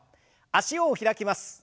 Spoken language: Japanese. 脚を開きます。